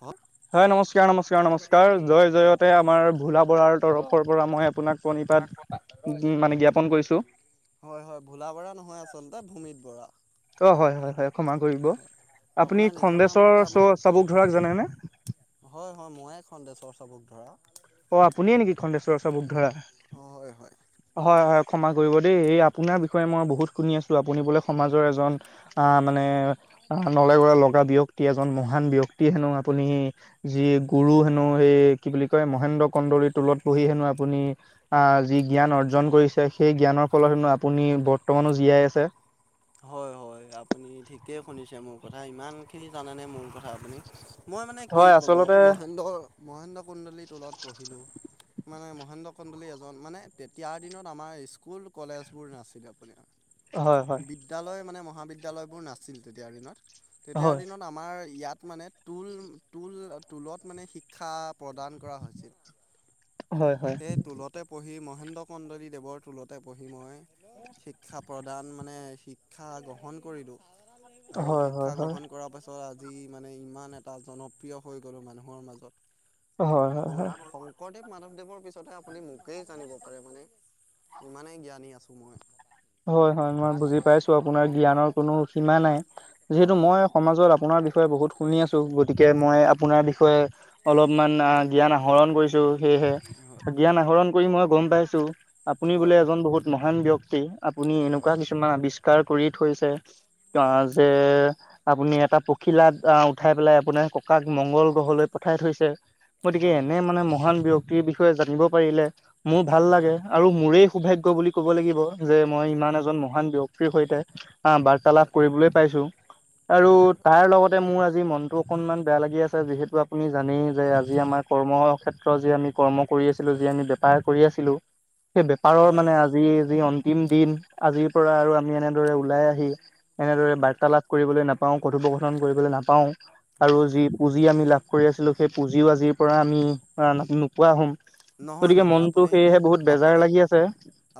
হ হয় নমস্কাৰ, নমস্কাৰ, নমস্কাৰ। জয় জয়তে আমাৰ ভোলা বৰাৰ তৰফৰ পৰা মই আপোনাক প্ৰণিপাত মানে জ্ঞাপন কৰিছোঁ। হয়, হয়। ভোলা বৰা নহয় আচলতে ভূমিত বৰা। অ', হয়, হয়, হয়, ক্ষমা কৰিব। আপুনি আপোনাৰ নিজৰ খন্দেশ্বৰ নামটোকে আপুনি চ চাবুক ধৰাক জানেনেে? হয়, হয়, ময়ে খন্দেশ্বৰ চাবুকধৰা। অ' আপুনিয়ে নেকি খন্দেশ্বৰ চাবুক ধৰা? হয়, হয়। হয়, হয়, ক্ষমা কৰিব দেই। এই আপোনাৰ বিষয়ে মই বহুত শুনি আছোঁ, আপুনি বোলে সমাজৰ এজন আ মানে নলেগলে লগা ব্যক্তি এজন, মহান ব্যক্তি হেনো আপুনি যি গুৰু হেনো সেই কি বুলি কয়, মহেন্দ্ৰ কন্দলীৰ টোলত পঢ়ি হেনো আপুনি আ যি জ্ঞান অৰ্জন কৰিছে, সেই জ্ঞানৰ ফলত হেনো আপুনি বৰ্তমানো জীয়াই আছে। হয়, হয়, আপুনি ঠিকেই শুনিছে মোৰ কথা, ইমানখিনি জানেনে মোৰ কথা আপুনি? মই মানে কি হয় ক'ব, আচলতে মহেন্দ্ৰ মহেন্দ্ৰ কন্দলীৰ টোলত পঢ়িলোঁ মানে মহেন্দ্ৰ কন্দলী এজন, মানে তেতিয়াৰ দিনত আমাৰ স্কুল কলেজ বোৰ নাছিলে আপোনাৰ হয় হয় বিদ্যালয় মানে মহাবিদ্যালয়বোৰ নাছিল তেতিয়াৰ দিনত, তেতিয়াৰ হয় দিনত আমাৰ ইয়াত মানে টোল, টোল, টোলত মানে শিক্ষা প্ৰদান কৰা হৈছিল। হয় হয় হয় সেয়ে টোলতে পঢ়ি, মহেন্দ্ৰ কন্দলীদেৱৰ টোলতে পঢ়ি মই শিক্ষাত প্ৰদান মানে শিক্ষা গ্ৰহণ কৰিলোঁ আৰু হয় শিক্ষা হয় গ্ৰহণ কৰাৰ পাছ পৰা আজি মানে ইমান এটা জনপ্ৰিয় হৈ গ'লো মানুহৰ মাজত। হয় হয় শং হয় শংকৰদেৱ মাধৱদেৱৰ পিছতহে আপুনি মোকেই জানিব পাৰে মানে, ইমানেই জ্ঞানী আছোঁ মই হয়, হয়, মই বুজি পাইছোঁ আপোনাৰ জ্ঞানৰ কোনো সীমা নাই, যিহেতু হয় মই সমাজত আপোনাৰ বিষয়ে বহুত শুনি আছোঁ, গতিকে মই হয় আপোনাৰ বিষয়ে অলপমান আ জ্ঞান আহৰণ কৰিছোঁ, সেয়েহে জ্ঞান আহৰণ কৰি মই গম পাইছোঁ আপুনি বোলে হয় এজন বহুত মহান ব্যক্তি, আপুনি হয় এনেকুৱা কিছুমান আৱিষ্কাৰ কৰি থৈছে [unintelligible] যে আপুনি এটা পখিলাত আ উঠাই পেলাই আপোনাৰ ককাক মংগল গ্ৰহলৈ পঠাই থৈছে। হয় গতিকে হয় এনে মানে হয় মহান ব্যক্তিৰ বিষয়ে জানিব পাৰিলে মোৰ ভাল হয় লাগে। আৰু মোৰেই সৌভাগ্য বুলি ক'ব লাগিব যে, মই ইমান এজন মহান ব্যক্তিৰ সৈতে আ হয় বাৰ্তালাপ কৰিবলৈ পাইছোঁ, আৰু হয় হয় তাৰ লগত মোৰ আজি মনটো অকণমান বেয়া লাগি আছে, যিহেতু আপুনি জানেই যে আজি আমাৰ কৰ্ম ক্ষেত্ ত্ৰ যে আমি কৰ্ম কৰি আছিলোঁ, যি আমি বেপাৰ কৰি আছিলোঁ সেই বেপাৰৰ হয় মানে আজি যি অন্তিম দিন, আজিৰ পৰা আৰু আমি এনেদৰে ওলাই আহি এনেদৰে হয় হয় বাৰ্তালাপ কৰিবলৈ নাপাওঁ, কথোপকথন কৰিবলৈ নাপাওঁ, আৰু হয় যি পুঁজি আমি লাভ কৰি আছিলোঁ, সেই পুঁজিও আজিৰ পৰা আমি নোপোৱা হ'ম নহয় গতিকে নহয় মনটো আপুনি সেয়েহে বহুত বেজাৰ আপুনি লাগি আছে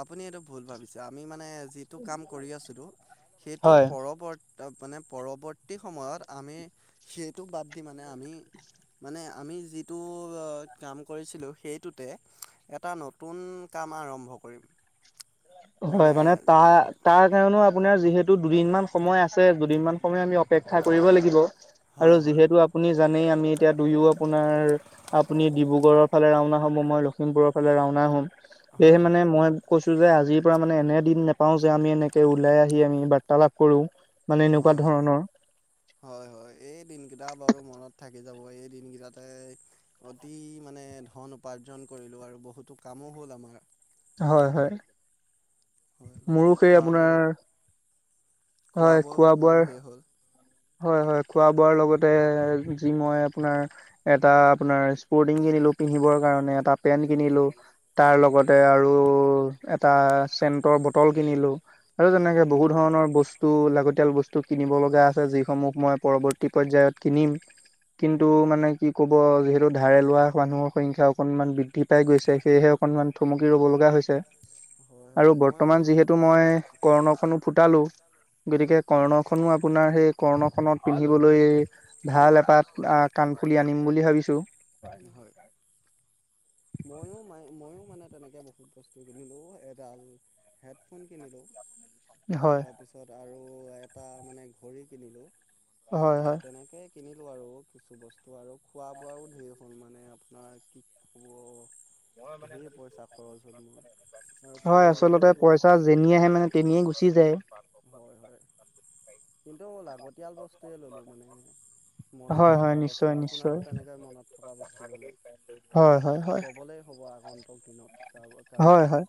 আপুনি এইটো ভুল ভাবিছে, আমি মানে যিটো কাম কৰি আছিলোঁ, সেইটোৰ হয় পৰৱৰ্ত মানে পৰৱৰ্তী সময়ত আমি সেইটো বাদ দি মানে আমি মানে আমি যিটো কাম কৰিছিলোঁ, সেইটোতে এটা নত তুন কাম আৰম্ভ কৰিম। হয়, মানে তাৰ তাৰ কাৰণেও আপোনাৰ যিহেতু দুদিনমান সময় আছে, দুদিনমান সময় আমি অপেক্ষা কৰিব লাগিব আৰু হয় হয় যিহেতু আপুনি জানেই আমি এতিয়া দুয়ো আপোনাৰ আপুনি ডিব্ৰুগড়ৰ ফালে ৰাওনা হ'ব, মই লখিমপুৰৰ ফালে ৰাওনা হ'ম সেয়েহে হয় মানে মই কৈছো যে আজি। মানে এনে দিন নোপাও যে আমি এনেকে ওলাই আহি আমি বাৰ্তালাপ কৰো। মানে এনেকুৱা হয় হয়। ধৰণৰ হয় হয় এই দিনকেইটা বাৰু মনত থাকি যাব এই দিনকেইটাতে। অতি মানে ধন উপাৰ্জন কৰিলো আৰু বহুতো কামো হ'ল আমাৰ। হয় হয়। হয় লগতে মোৰো সেই খোৱা বোৱা আপোনাৰ হয় বোৱাও খোৱা আমাৰ বোৱাৰ ঢেৰ হ'ল হয় হয় খোৱা বোৱাৰ লগতে যি মই আপোনাৰ এটা আপোনাৰ স্পৰ্টিং কিনিলো পিন্ধিবৰ কাৰণে এটা পেন্ট কিনিলো। তাৰ হয় লগতে আৰু এটা চেণ্টৰ বটল কিনিলো। আৰু তেনেকে হয় বহু মই ধৰণৰ ব স্তু লাগতিয়াল বস্তু কিনিব লগা আছে, যিসমূহ মই পৰৱৰ্তী পৰ্যায়ত কিনিম। কিন্তু মানে কি ক'ব যিহেতু ধাৰে লোৱা মানুহৰ সংখ্যা অকণমান বৃদ্ধি পাই গৈছে সেয়েহে অকনমান থমকি ৰ'ব লগা হৈছে। হয় হয় আৰু মই বৰ্তমান মানে যিহেতু মই কৰ্ণখনো ফুটালো, গতিকে হয় কৰ্ণ খনো আপোনাৰ সেই কৰ্ণখনত পিন্ধিবলৈ ভাল তাত কাণফুলি আনিম বুলি ভাবিছোঁ। হয়। ময়ো ময়ো মানে তেনেকে বহুত বস্তু কিনিলো এডাল হেডফোন কেনিলো। হয়। তাৰপিছত আৰু এটা মানে ঘড়ী কিনিলোঁ। হয় হয়। তেনেকৈ কিনিলোঁ আৰু কিছু বস্তু আৰু খোৱা বোৱাও ধেৰ হ'ল মানে আপোনাৰ কি [inaudible] ঢেৰ পইচা খৰচ হ'ল মোৰ আৰু হয় আচল ফুৰিবলৈও গ'লোঁ পইচা যেনি আহে মানে তেনিয়ে গুচি যায়। হয় হয় কিন্তু লাগতিয়াল বস্তুৱে ললোঁ মানে। হয়, মনত হয়, থকা নিশ্চয়, বস্তু নিশ্চয়, আপোনাৰো তেনেকে মনত থকা বস্তু ল'লে। হয় হয়। ক'বলৈই হ'ব আগন্তক দিনত কাৰোবাক হয়, কাৰোবাক হয়।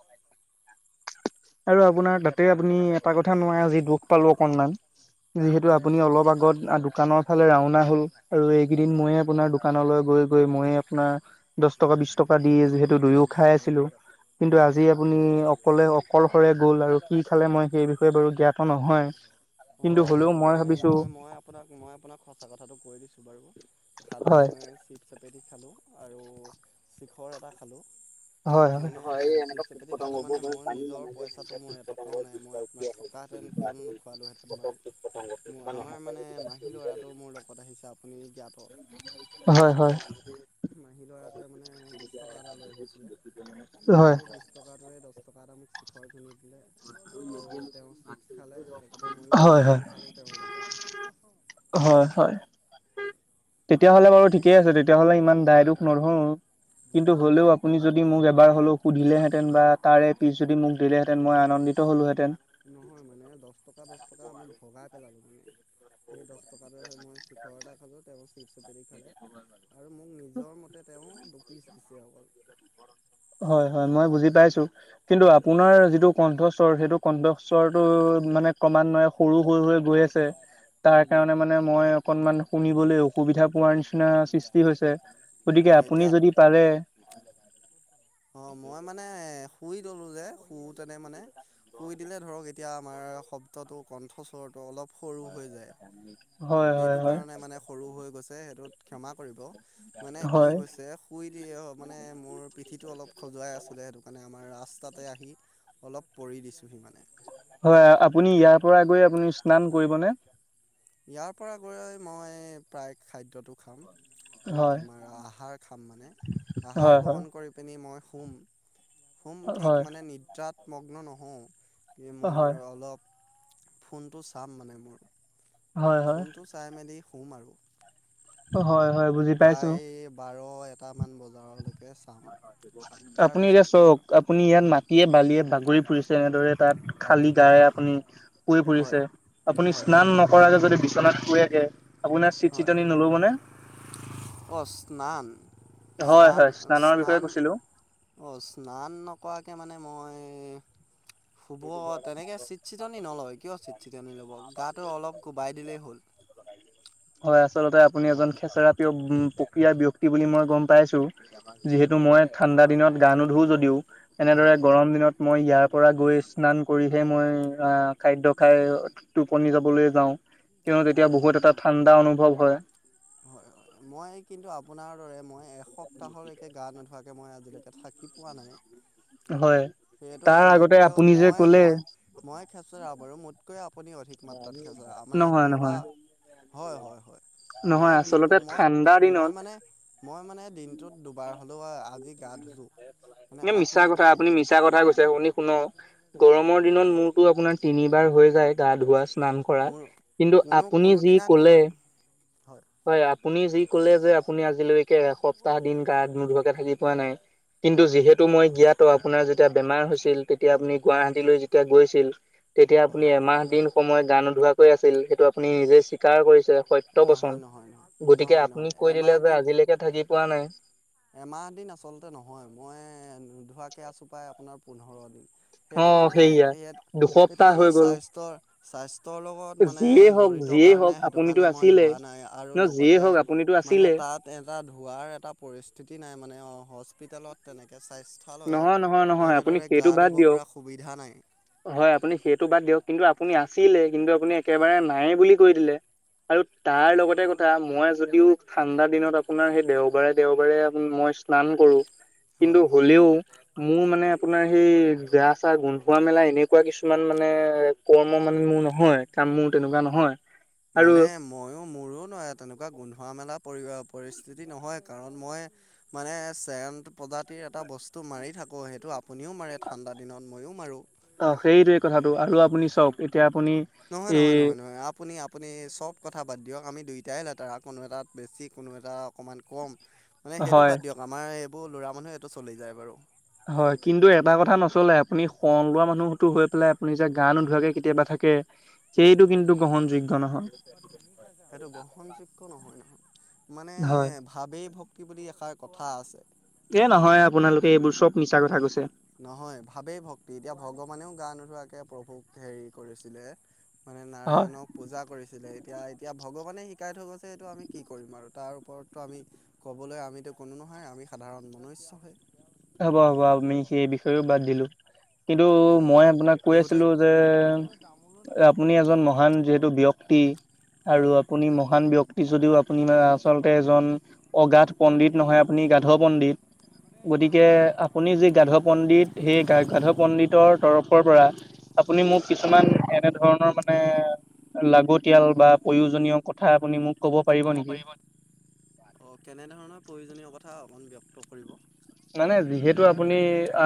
আৰু আপোনাৰ তাতে আপুনি এটা কথা নোৱাৰে আজি দুখ পালো অকনমান যিহেতু হয় আপুনি অলপ আগত দোকানৰ ফালে ৰাওনা হ'ল, আৰু এইকেইদিন মইয়ে আপোনাৰ দোকানলৈ গৈ গৈ মইয়ে আপোনাৰ দশ টকা বিশ টকা দি যিহেতু দুয়ো খাই আছিলো কিন্তু হয় আজি হয় আপুনি অকলে অ কলশৰে গ'ল আৰু কি খালে মই সেই বিষয়ে বাৰু জ্ঞাত নহয়। কিন্তু হয় হ'লেও হয় মই ভাবিছোঁ মই মই আপোনাক মই আপোনাক সঁচা কথাটো কৈ দিছোঁ বাৰু, খালোঁ হয় মই চিফ চ এপেটি খালোঁ আৰু চিখৰ এটা খালোঁ। হয় মানে চিপচ এপেটি খালো মানে মই নিজৰ পইচাটো মোৰ এটকাও নাই মই- আপোনাক ঠগ তাহঁতেন কিয় নোখোৱালো হেতে তেন বাৰু মোৰ আমাৰ মানে মাহী ল'ৰাটো মোৰ লগত আহিছে আপুনি জ্ঞাত। হয় হয়। মাহী ল'ৰাটোৱে মানে বিশ টকা এটা লৈ আহিছিলে সেই বিশ দশ টকাটোৱে দশ টকাত আমি ঘৰ ধুনি দিলে আৰু তেওঁ চিপছ খালে লগতে ময়ো হয় হয় দুটুকুমান খালো তেওঁৰ লগত। অ' হয়, হয়। তেতিয়া হ'লে বাৰু ঠিকেই আছে তেতিয়া হ'লে ইমান দায়-দোষ নধৰো। কিন্তু হ'লেও আপুনি যদি মোক এবাৰ হ'লেও সুধিলেহেঁতেন বা তাৰে পিছত যদি মোক দিলেহেঁতেন মই আনন্দিত হলোহেতেন [unintelligible] নহয় মানে দহ টকা, দহ টকা আমি ভগাই পেলালোঁ মানে। সেই দহ টকা মই শিখৰ এটা খালোঁ, তেওঁ চিপ চিপেৰি খালে [unintelligible] আৰু মোক নিজৰ মতে তেওঁ দুপিচ দিছে অকল। হয়, হয়, মই বুজি পাইছো কিন্তু হয় আপোনাৰ যিটো- কণ্ঠস্বৰ যিটো কণ্ঠস্বৰটো মানে ক্ৰমান্বয়ে সৰু হৈ হৈ গৈ আছে। তাৰ কাৰণে মানে মই অকনমান শুনিবলৈ অসুবিধা পোৱাৰ নিচিনা সৃষ্টি হৈছে। গতিকে অঁ আপুনি এতিয়া যদি পাৰে। অ' মই মানে শুই ললোঁ যে, শুই তেনে মানে শুই দিলে ধৰক এতিয়া আমাৰ শব্দটো কণ্ঠস্বৰটো অলপ সৰু হৈ যায় হয় হয় সেইটো হয় কাৰণে মানে। সৰু হৈ গৈছে সেইটোত ক্ষমা কৰিব, মানে কি হয় হৈছে শুই দ মানে মোৰ [unintelligible] পিঠিটো অলপ খজুৱাই আছিলে সেইটো কাৰণে আমাৰ ৰাস্তাতে আহি অলপ পৰি দিছোঁহি মানে। হয় আপুনি ইয়াৰ পৰা গৈ আপুনি স্নান কৰিবনে? ইয়াৰ পৰা গৈ মই প্ৰায় খাদ্যটো খাম, হয় আমাৰ আহাৰ খাম মানে, আহাৰ হয় হয় গ্ৰহণ কৰি কৰি মই শুম, শুম ঠিক হয় মানে নিদ্ৰাত মগ্ন নহওঁ কি হয় মোৰ অলপ ফোনটো চাম মানে মোৰ হয় হয় ফোনটো চাই মেলি শুম আৰু। হয়, হয়। বুজি পাইছো প্ৰায় বাৰ এটামান বজালৈকে চাম আপুনি এতিয়া তাৰপিছত শুম চাওক আৰু। আপুনি ইয়াত মাটিয়ে-বালিয়ে বাগৰি ফুৰিছে এনেদৰে তাত খালি গায় আপুনি শুই হয় ফুৰিছে আপুনি হয় স্নান নকৰাকে যদি বিচনাত শুৱে গে আপোনাৰ চিট-চিতনি নল'ব নে? অ' স্নান, হয় স্নান, হয় স্নানৰ বিষয়ে স্নান। কৈছিলো অ', স্নান নকৰাকৈ মানে মই। শুব তেনেকৈ চিট-চটনি নলয়, কিয় চিট-চটনি ল'ব গাটো অলপ কোবাই দিলেই হ'ল। [inaudible] হয় আচলতে [unintelligible] আপুনি এজন খেচৰা প্ৰিয় প্ৰক্ৰিয়াৰ ব্যক্তি বুলি মই গম পাইছো। যিহেতু মই ঠাণ্ডা দিনত গা নোধো যদিও এনেদৰে হয় গৰম দিনত মই ইয়াৰ পৰা গৈ আছো। স্নান কৰিহে মই আহ, খাদ্য খাই টোপনি যাবলৈ যাওঁ। কিয়নো তেতিয়া বহুত হয় এটা ঠাণ্ডা অনুভৱ হয়। হয় মই কিন্তু আপোনাৰ দৰে মই এসপ্তাহলৈকে গা নোধোৱা তাকে মই আজিলৈকে থাকি পোৱা নাই। হয়। সেইটো তাৰ আগতে মোতকেও আপুনি যে মই, কলে মই, মই খেচেৰা বাৰু মোতকেই তকৈ আপুনি অধিক মাত্ৰাত খেচেৰা মানে নহয় কোনোবা নহয় হয়, হয়, হয় নহয় মই আচলতে দিনটো মই ঠাণ্ডা দিনত মই মানে মই মানে, দিনটোত দুবাৰ হ'লেও আজি গা ধুলোঁ। মানে মিছা কথা, আপুনিতো আপুনি মিছা। এটা কথা কৈছে, আপুনি শুনক গৰমৰ দিনত মোৰতো আপোনাৰ তিনিবাৰ হৈ যায় গা ধোৱা। স্নান কৰা মোৰ কিন্তু কোনো আপুনি যি কোনোদিনা কোনো কলে হয় আপুনি যি কলে যে আপুনি আজিলৈ কে সপ্তাহ দিন গা নুধুৱাকে থাকি পোৱা নাই কিন্তু হয় যিহেতু মই জ্ঞাত আপোনাৰ যেতিয়া বেমাৰ হৈছিল তেতিয়া আপুনি গুৱাহাটীলৈ যেতিয়া গৈছিল তেতিয়া হয় আপুনি হয় এমাহ দিন সময় গান নুধুৱাকৈ আছিল সেইটো আপুনি নিজেই স্বীকাৰ কৰিছে হয় নহয় সত্যবচন নহয় নহয় গতিকে নহয় নহয় আপুনি কৈ এমাহ দিলে যে দিন আজিলৈকে থাকি পোৱা নাই এমাহ দিন আচলতে নহয় মই নুধুৱাকে আছোঁ প্ৰায় আপোনাৰ পোন্ধৰ দিন। অ সেইটো মানে সেইয়া ইয়াত সেইটো দুসপ্তাহ মানে হৈ গ'ল স্বাস্থ্যৰ স্বাস্থ্যৰ লগ ত মানে যিয়েই হওক জড়িত যিয়েই কাৰণে হওক সেইটো আপুনিতো কাৰণে মই আছিলে ধোৱানাই আৰু ন যিয়ে লগতে হওক আপুনিতো মানে আছিলে তাত এটা ধুৱাৰ এটা পৰিস্থিতি নাই মানে অ হস্পিটেলত তেনেকে স্বাস্থ লয়ত নহয় নহয় নহয় আপুনি তেনেদৰে গা সেইটো বাদ ধুব দিয়ক পৰা সুবিধা নাই হয় আপুনি সেইটো বাদ দিয়ক কিন্তু আপুনি আছিলে কিন্তু আপুনি একেবাৰে নায়ে বুলি কৈ দিলে আৰু তাৰ লগতে কথা মই যদিও ঠাণ্ডা দিনত আপোনাৰ সেই দেওবাৰে দেওবাৰে আপো মই স্নান কৰোঁ হয় কিন্তু হ'লেও মোৰ মানে আপোনাৰ সেই গা চা গোন্ধোৱা মেলা এনেকুৱা কিছুমান মানে কৰ্ম মানে মোৰ নহয়, কাম মোৰ তেনেকুৱা নহয় আৰু মানে ময়ো মোৰো নহয় তেনেকুৱা গোন্ধোৱা মেলা পৰি পৰিস্থিতি নহয় কাৰণ মই মানে চেন প্ৰজাতিৰ এটা বস্তু মাৰি থাকো সেইটো আ আপুনিও মাৰে ঠাণ্ডা দিনত ময়ো মাৰোঁ সে টো আপুনি চাওঁক এতিয়া আপুনি নহয় নহয় এই নহয় নহয় আপুনি আপ পুনি চব কথা বাদ দিয়ক আমি দুইটাই লেতেৰা কোনো এটাত বেছি, কোনো এটা অকণমান কম মানে সেইটো হয় বাদ দিয়ক আমাৰ এইবোৰ ল'ৰা মানুহে এইটো চলি যায় বাৰু হয় কিন্তু এটা কথা নচলে আপুনি শন লোৱা মানুহতো হৈ পেলাই আপুনি যে গা নোধোৱাকে কেতিয়াবা থাক কে সেইটো হয়। কিন্তু গ্ৰহণযোগ্য নহয়। সেইটো গ্ৰহণযোগ্য নহয় নহয় মানে হয় ভাৱেই ভক্তি বুলি এষাৰ কথা আছে এ নহয় আপোনালোকে এইবোৰ চব মিছা কথা কৈছে নহয় ভাৱেই ভক্তি এতিয়া ভগৱানেও গা নোধোৱাকে প্ৰভুক হেৰি কৰিছিলে মানে হয় নাৰায়ণক পূজা কৰিছিলে। এতিয়া এতিয়া ভগৱানে শিকাই থৈ গৈছে এইটো আমি কি কৰিম আৰু তাৰ ওপৰতো আমি ক'বলৈ আমিতো কোনো নহয়, আমি সাধাৰণ মনুষ্য হে হ'ব হ'ব আমি সেই বিষয়েও বাদ দিলোঁ। কিন্তু হয় মই আপোনাক কৈ এই উঠৈ আছিলোঁ যে আপুনি এজন মহান যিহেতু ব্যক্তি আৰু হয় আপুনি মহান ব্যক্তি যদিও আপুনি মানে আচলতে এজন অগাধ পণ্ডিত নহয় আপুনি গাধ পণ্ডিত গতিকে আপুনি যে গাধ পণ্ডিত, সেই গা গাধ পণ্ডিতৰ তৰফৰ পৰা আপুনি মোক হয়। কিছুমান এনে ধৰণৰ মা নে লাগতিয়াল বা প্ৰয়োজনীয় কথা আপুনি মোক ক'ব পাৰিব। অ কেনেধৰণৰ প্ৰয়োজনীয় কথা অকণ ব্যক্ত কৰিব মানে যিহেতু আপুনি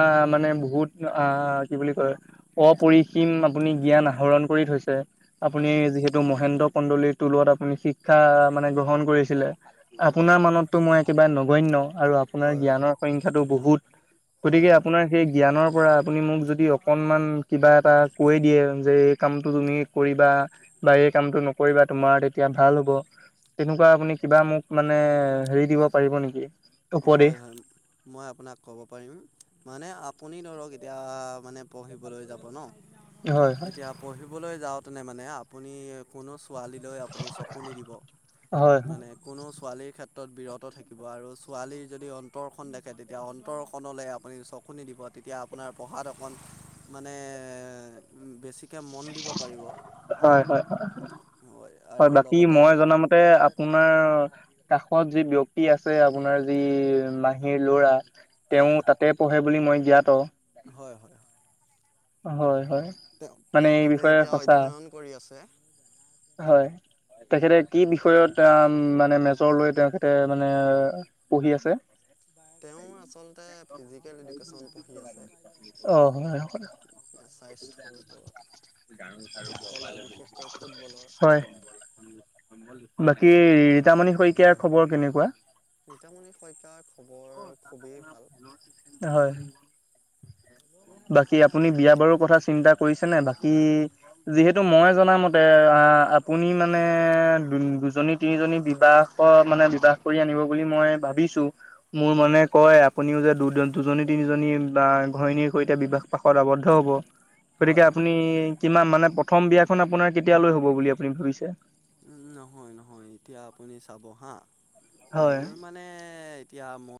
আ মানে বহুত আ কি বুলি কয় অপৰিসীম আপুনি জ্ঞান আহৰণ কৰি থৈছে আপুনি হয় যিহেতু মহেন্দ্ৰ কন্দলিৰ টোলত আপুনি শিক্ষা মানে গ্ৰহণ কৰিছিলে হয় আপোনাৰ মানততো মই একেবাৰে নগন্য, আৰু আপ আপোনাৰ হয় জ্ঞানৰ সংখ্যাটো বহুত। হয় গতিকে, হয় আপোনাৰ সেই জ্ঞানৰ পৰা আপুনি মোক যদি অকণমান কিবা এটা কৈ দিয়ে, যে এই কামটো তুমি কৰিবা বা এই কামটো নকৰিবা। তোমাৰ তেতিয়া ভাল হব তেনেকুৱা আপুনি কিবা মোক মানে হেৰি দিব পাৰিব নেকি? উপদেশ হয়। হয়। মই আপোনাক ক'ব পাৰিম। মানে আপুনি ধৰক, এতিয়া মানে পঢ়িবলৈ যাব ন! হয় হয় তেতিয়া পঢ়িবলৈ যাওঁতেনে মানে, আপুনি কোনো ছোৱালীক -লৈ আপুনি চকু নিদিব। হয় হয় মানে কোনো ছোৱালীৰ ক্ষেত্ৰত বিৰত থাকিব। আৰু ছোৱালীৰ যদি অন্তৰখন দেখে, তেতিয়া অন্তৰখনলৈ আপুনি চকু নিদিব। তেতিয়া আপোনাৰ পঢ়াত অকণ মানে বেছিকে মন দিব পাৰিব। হয়। হয়। হয়। আৰু বাকী লগতে মই জনামতে আপ আপোনাৰ কাষত যি ব্যক্তি আছে, আপোনাৰ যি মাহীৰ ল'ৰা তেওঁ তাতে পঢ়ে বুলি মই জ্ঞাত। হয়। হয়। হয়। হয়। হয়। তেওঁ মানে তেওঁ এই তাতে বিষয়ে এতিয়া সঁচা অধ্যয়ন কৰি আছে। হয়। তেখেতে কি বিষয়ত মানে মেজৰ লৈ তেখেতে মানে পঢ়ি আছে? তেওঁ আচলতে ফিজিকেল এডুকেশ্যন পঢ়ি আছে। অ হয় হয় থিকে আছে। ফুটবলৰ বিশেষকৈ ফুটবলৰ [unintelligible] হয়। বাকী ৰীতামণি শইকীয়াৰ খবৰ কেনেকুৱা চিন্তামণিৰ শইকীয়াৰ খবৰ খুবেই ভাল। হয়। বাকী আপুনি বিয়া বাৰুৰ কথা চিন্তা কৰিছে নে? বাকী যিহেতু কিন্তু মই জনামতে, আপুনি মানে দু দুজনী তিনিজনী বিবাহত মানে বিবাহ কৰি আনিব বুলি মই ভাবিছো। মোৰ মনে হয় কয় আপুনিও যে দুদন দুজনী- তিনিজনী বা ঘৈণীৰ সৈতে বিবাহ পাশত আৱদ্ধ হব গতিকে, হয় হয় আপুনি কিমান মানে- প্ৰথম বিয়াখন আপোনাৰ কেতিয়ালৈ হ'ব বুলি আপুনি ভাবিছে? নহয়। নহয়। এতিয়া আপুনি চাব হা- হয় মোৰ মান মানে এতিয়া মই